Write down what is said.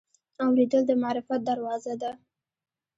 اورېدل د معرفت دروازه ده.